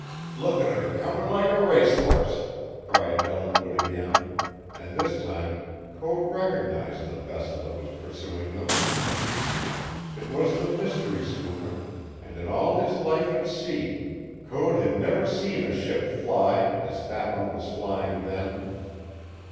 "Look at her comin' like a racehorse!" cried Ellinwood again, and this time Code recognized the vessel that was pursuing them. It was the mystery schooner, and in all his life at sea Code had never seen a ship fly as that one was flying then.